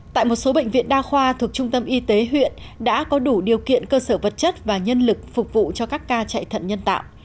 tại một số bệnh viện đa khoa thuộc trung tâm y tế huyện đã có đủ điều kiện cơ sở vật chất và nhân lực phục vụ cho các ca chạy thận nhân tạo